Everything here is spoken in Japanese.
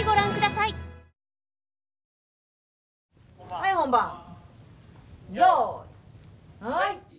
・はい本番用意はい！